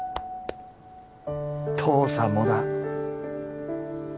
父さんもだ。